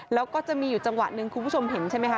แล้วก็จะมีอยู่จังหวะหนึ่งคุณผู้ชมเห็นใช่ไหมคะ